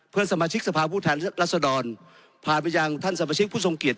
เพื่อนสมาชิกสภาพุทธภัณฑ์รัศดรผ่านไปยังท่านสมาชิกผู้ทรงเกียจ